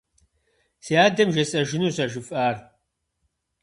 Си адэм жесӏэжынущ а жыфӏар.